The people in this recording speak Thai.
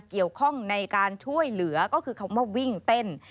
เกี่ยวข้องในการช่วยเหลือก็คือคำว่าวิ่งเต้น